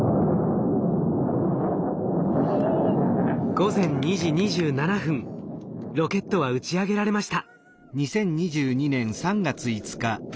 午前２時２７分ロケットは打ち上げられました。